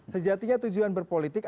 sejatinya tujuan berpolitik